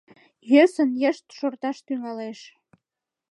Йӧсын, йышт шорташ тӱҥалеш.